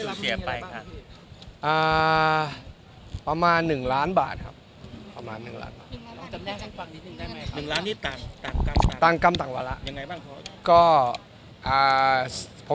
ครับเสียไปครับอ่าประมาณหนึ่งล้านบาทครับประมาณหนึ่งล้านบาทหนึ่งล้านนิดหนึ่งได้ไหมครับ